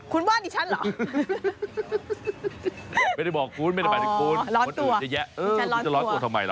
คุณว่าดิฉันหรอไม่ได้บอกคุณไม่ได้เป็นคุณร้อนตัวจะแยะร้อนตัวทำไมหรอ